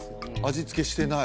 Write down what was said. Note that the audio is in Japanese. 味付けしてない？